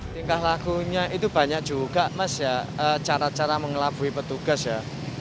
tingkah lakunya itu banyak juga mas ya cara cara mengelabui petugas ya